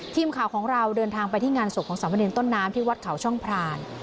ทีมข่าวของเราเดินทางไปที่งานศพของสามเณรต้นน้ำที่วัดเขาช่องพราน